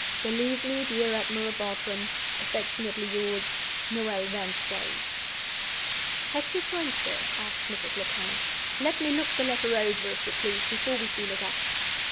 "Believe me, dear Admiral Bartram, "Affectionately yours, "NOEL VANSTONE." "Have you signed, sir?" asked Mrs. Lecount. "Let me look the letter over, if you please, before we seal it up."